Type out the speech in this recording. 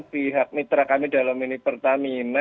pihak mitra kami dalam ini pertamina